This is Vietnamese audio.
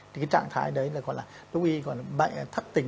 thì cái trạng thái đấy là gọi là đống y gọi là thất tỉnh